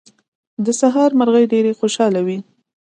د سهار مرغۍ ډېرې خوشاله وې.